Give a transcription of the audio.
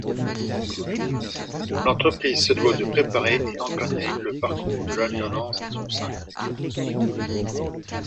L'entreprise se doit de préparer et encadrer le parcours de l'alternance en son sein.